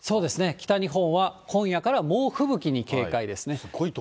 北日本は今夜から猛吹雪に警戒ですね。